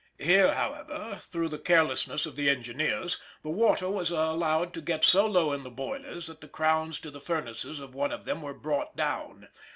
Here, however, through the carelessness of the engineers, the water was allowed to get so low in the boilers that the crowns to the furnaces of one of them were "brought down."